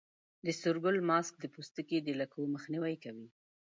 د سور ګل ماسک د پوستکي د لکو مخنیوی کوي.